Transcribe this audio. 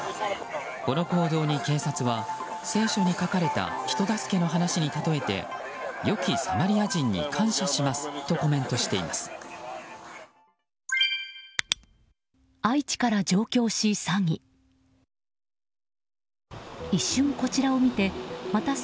この行動に警察は聖書に書かれた人助けの話にたとえて善きサマリア人に感謝しますとコメントしています。